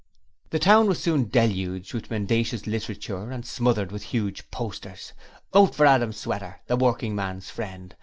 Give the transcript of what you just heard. The town was soon deluged with mendacious literature and smothered with huge posters: 'Vote for Adam Sweater! The Working man's Friend!'